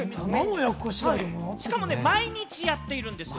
しかも毎日やっているんですよ